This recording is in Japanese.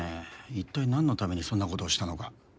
一体なんのためにそんな事をしたのか。